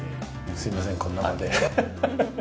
すみません、こんな場で。